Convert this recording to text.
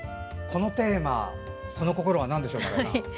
このテーマその心はなんでしょうか。